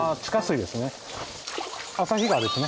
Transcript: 旭川ですね。